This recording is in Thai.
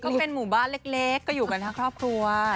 ก็เป็นหมู่บ้านเล็กก็อยู่กันทั้งครอบครัว